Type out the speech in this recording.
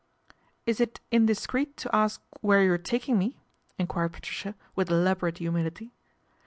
" Is it indiscreet to ask where you are taking ae ?" enquired Patricia with elaborate humility.